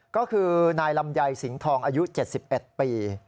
ก็คือนายลำไยสิงห์ทองอายุ๗๑ปี